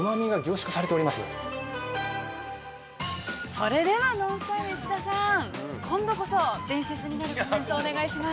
◆それではＮＯＮＳＴＹＬＥの石田さん、今度こそ伝説になるコメントお願いします。